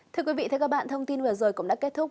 thưa quý vị thưa các bạn thông tin vừa rồi cũng đã kết thúc